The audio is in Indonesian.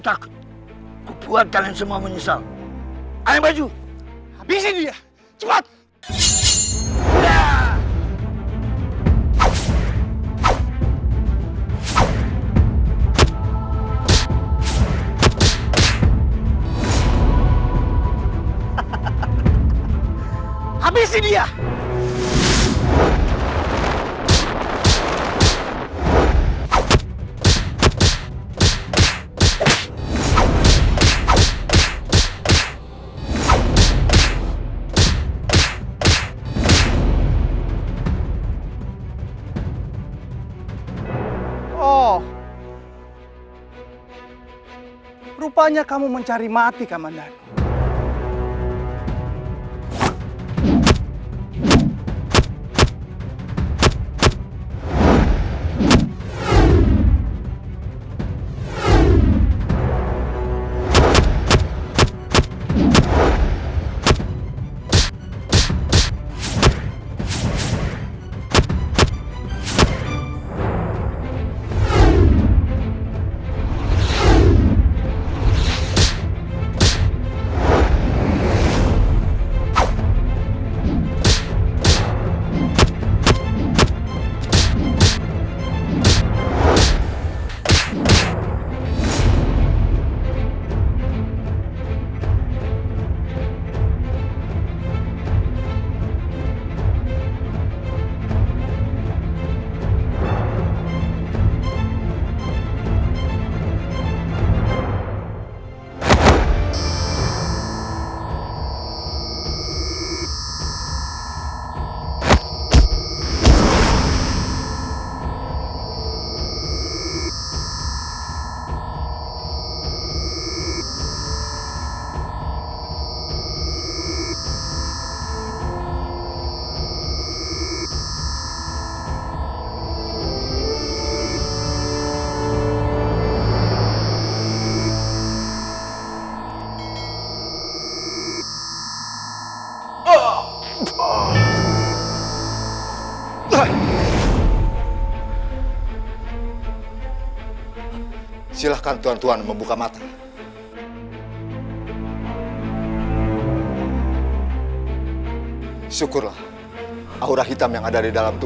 tangan tuaku ini masih sanggup meremungkan kepalamu